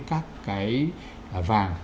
các cái vàng